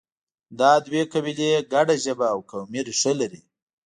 دا دوه قبیلې ګډه ژبه او قومي ریښه لري.